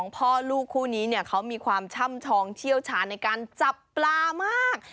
พ่อลูกคู่นี้เขามีความช่ำชองเชี่ยวชาญในการจับปลามาก